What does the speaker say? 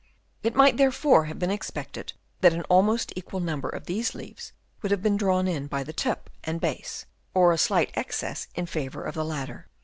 It might, therefore, have been expected that an almost equal number of these leaves would have been drawn in by the tip and base, or a slight excess in favour of the latter.